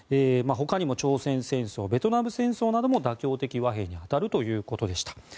他にも朝鮮戦争ベトナム戦争なども妥協的和平に当たるということでした。